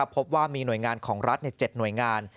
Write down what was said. พบว่ามีหน่วยงานของรัฐ๗หน่วยงาน